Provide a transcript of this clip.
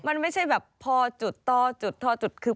มันไม่ใช่แบบพตตตคือพันธุ์ตำรวจโทร